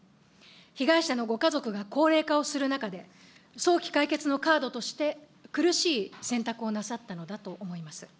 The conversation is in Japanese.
被害者のご家族が高齢化をする中で、早期解決のカードとして苦しい選択をなさったのだと思います。